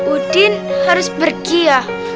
udin harus pergi ya